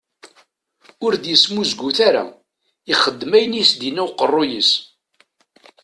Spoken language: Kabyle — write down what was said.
Ur d-yesmuzgut ara, ixeddem ayen i as-d-yenna uqerruy-is.